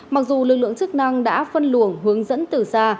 mặc dù lực lượng chức năng đã phân luồng hướng dẫn từ xa